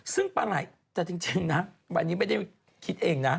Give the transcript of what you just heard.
ซึ่งปลาไหล่แต่จริงนะวันนี้ไม่ได้คิดเองนะ